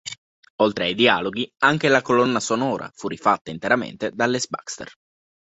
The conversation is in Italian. Oltre ai dialoghi, anche la colonna sonora fu rifatta interamente da Les Baxter.